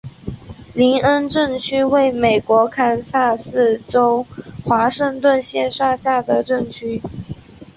林恩镇区为美国堪萨斯州华盛顿县辖下的镇区。